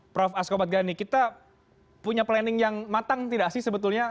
prof asko badgani kita punya planning yang matang tidak sih sebetulnya